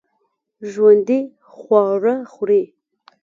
ژوندي خواړه خوري